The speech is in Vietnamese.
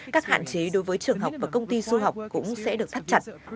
các hạn chế đối với trường học và công ty du học cũng sẽ được thắt chặt